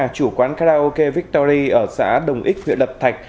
chủ quán karaoke victory ở xã đồng ích huyện lập thạch